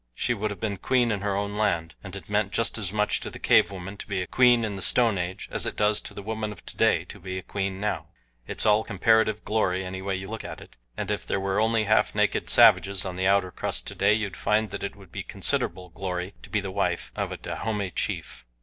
She would have been queen in her own land and it meant just as much to the cave woman to be a queen in the Stone Age as it does to the woman of today to be a queen now; it's all comparative glory any way you look at it, and if there were only half naked savages on the outer crust today, you'd find that it would be considerable glory to be the wife of a Dahomey chief.